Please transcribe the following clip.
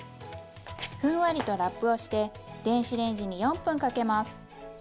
ふんわりとラップをして電子レンジに４分かけます。